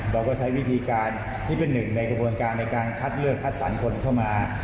เราก็ใช้วิธีการที่เป็นหนึ่งในกระบวนการในการคัดเลือกคัดสรรคนเข้ามา